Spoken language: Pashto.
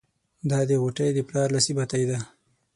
دا د غوټۍ د پلار لاسي بتۍ ده.